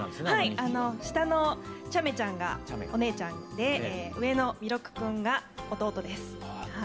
下のチャメちゃんがお姉ちゃんで上のミロク君が弟です。